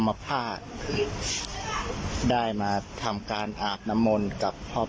พ่อปู่ฤาษีเทพนรสิงค่ะมีเฮ็ดโฟนเหมือนเฮ็ดโฟน